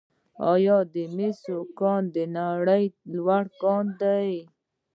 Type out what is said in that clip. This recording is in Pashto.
آیا د مس عینک کان د نړۍ لوی کان دی؟